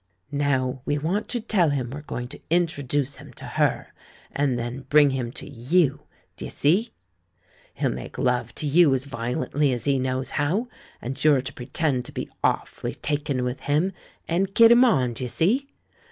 "Now, we want to tell him we're going to introduce him to her, and then bring him to you — d'ye see? He'll make love to you as violently as he knows how, and you're to pre tend to be awfully taken with him, and kid him on — d'ye see?